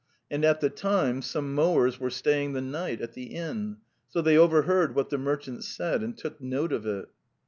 And at the time some mowers were staying the night at the inn. So they overheard what the merchants said and took note of it."